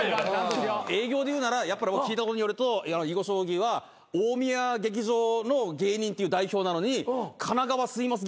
営業でいうなら聞いたところによると囲碁将棋は大宮劇場の芸人っていう代表なのに神奈川住みます